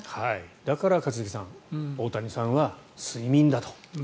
だから一茂さん大谷さんは睡眠だと。